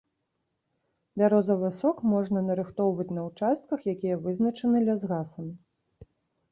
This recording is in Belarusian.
Бярозавы сок можна нарыхтоўваць на участках, якія вызначаны лясгасамі.